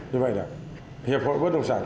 như vậy đó hiệp hội bất động sản